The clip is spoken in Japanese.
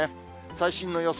最新の予想